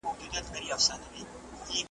تاریخ د انسان تجربې بیانوي.